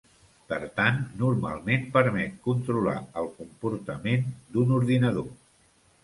Per tant, normalment, permet controlar el comportament d'un ordinador.